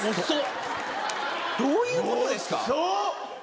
どういうことですか？